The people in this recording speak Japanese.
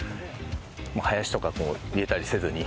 林とかこう入れたりせずに。